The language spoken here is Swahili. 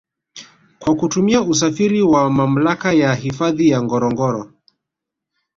Kwa kutumia usafiri wa mamlaka ya hifadhi ya ngorongoro